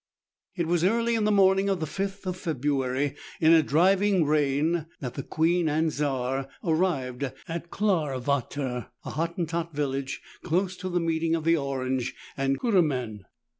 It was early in the morning of the 5th of February, in a driving rain, that the "Queen and Czar" arrived at Klaarwater, a Hottentot village, close to the meeting of the Orange and Kuruman.